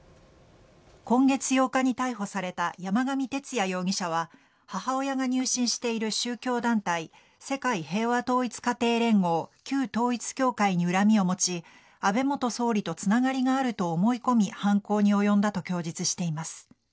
今月８日に逮捕された山上徹也容疑者は母親が入信している宗教団体世界平和統一家庭連合＝旧統一教会に恨みを持ち安倍元総理とつながりがあると思い込み犯行に及んだと供述しています。